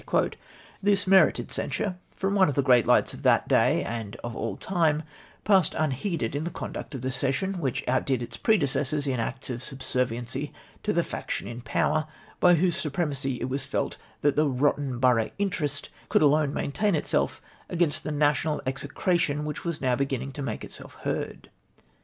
'" This merited censure from one of the great lights of that day and of all time, passed unheeded in the conduct of the session, which outdid its predecessors in acts of subserviency to the faction in power by whose supremacy it was felt that the rotten borough interest could alone maintain itself against the national execra tion wdiich was now be£>innino: to make itself heard.